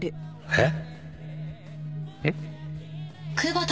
えっ？